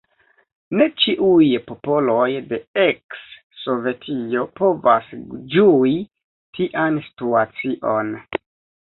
Ne ĉiuj popoloj de eks-Sovetio povas ĝui tian situacion.